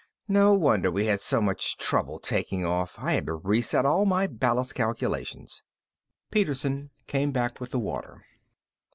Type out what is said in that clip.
"No wonder we had so much trouble taking off. I had to reset all my ballast calculations." Peterson came back with the water.